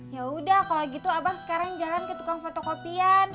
yaudah kalo gitu abang sekarang jalan ke tukang fotokopian